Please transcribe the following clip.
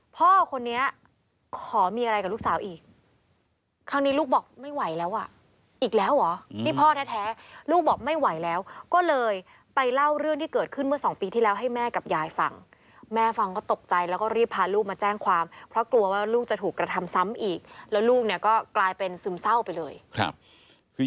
พ่อคนนี้ขอมีอะไรกับลูกสาวอีกครั้งนี้ลูกบอกไม่ไหวแล้วอ่ะอีกแล้วเหรอนี่พ่อแท้ลูกบอกไม่ไหวแล้วก็เลยไปเล่าเรื่องที่เกิดขึ้นเมื่อสองปีที่แล้วให้แม่กับยายฟังแม่ฟังก็ตกใจแล้วก็รีบพาลูกมาแจ้งความเพราะกลัวว่าลูกจะถูกกระทำซ้ำอีกแล้วลูกเนี่ยก็กลายเป็นซึมเศร้าไปเลยครับคือ